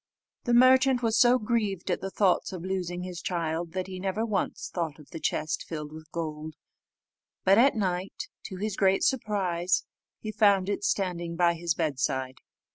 The merchant was so grieved at the thoughts of losing his child, that he never once thought of the chest filled with gold, but at night, to his great surprise, he found it standing by his bedside.